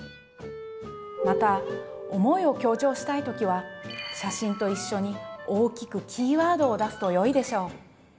また「思い」を強調したいときは写真と一緒に大きくキーワードを出すとよいでしょう。